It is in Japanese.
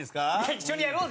一緒にやろうぜ？